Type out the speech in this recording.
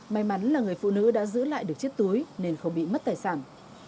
may mắn là người phụ nữ đã giữ lại được chiếc túi nên không bị mất tài sản